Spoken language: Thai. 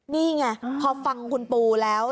นี่ไงพอฟังคุณปูแล้ว